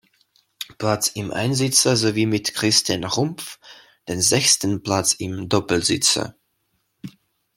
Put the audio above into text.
Platz im Einsitzer sowie mit Christian Rumpf den sechsten Platz im Doppelsitzer.